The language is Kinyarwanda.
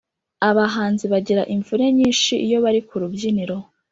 Abahanzi bagira imvune nyinshi iyo bari ku rubyiniro